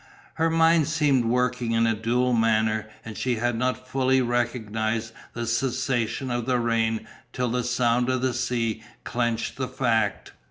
Her mind seemed working in a dual manner and she had not fully recognized the cessation of the rain till the sound of the sea clinched the fact.